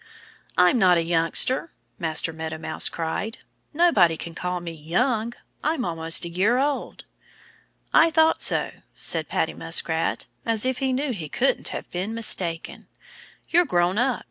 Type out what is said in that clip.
"I'm not a youngster!" Master Meadow Mouse cried. "Nobody can call me young. I'm almost a year old!" "I thought so," said Paddy Muskrat, as if he knew he couldn't have been mistaken. "You're grown up.